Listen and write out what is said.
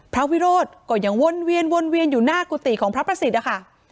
วิโรธก็ยังวนเวียนวนเวียนอยู่หน้ากุฏิของพระประสิทธิ์นะคะ